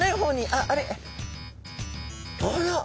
あれ？